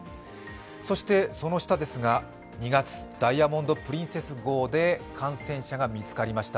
そしてその下ですが２月、「ダイヤモンド・プリンセス」号で感染者が見つかりました。